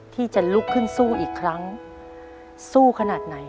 ที่จะลุกขึ้นสู้อีกครั้งสู้ขนาดไหน